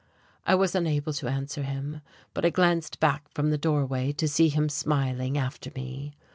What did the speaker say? I was unable to answer him, but I glanced back from the doorway to see him smiling after me.